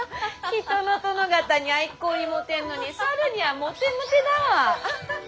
人の殿方には一向にモテんのに猿にはモテモテだわ。